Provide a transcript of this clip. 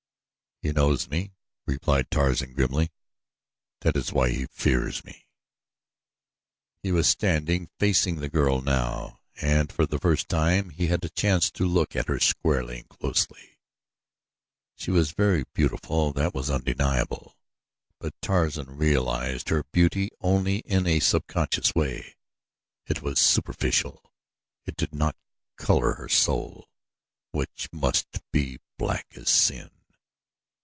"He knows me," replied Tarzan, grimly "that is why he fears me." He was standing facing the girl now and for the first time he had a chance to look at her squarely and closely. She was very beautiful that was undeniable; but Tarzan realized her beauty only in a subconscious way. It was superficial it did not color her soul which must be black as sin.